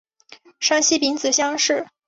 山西丙子乡试。